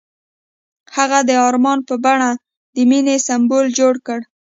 هغه د آرمان په بڼه د مینې سمبول جوړ کړ.